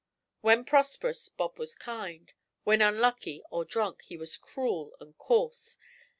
When prosperous, Bob was kind; when unlucky or drunk, he was cruel and coarse.